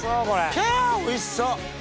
キャおいしそう！